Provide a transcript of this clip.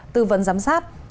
tư vấn giám sát